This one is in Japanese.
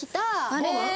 「あれ？」。